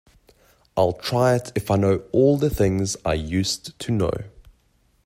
I’ll try if I know all the things I used to know.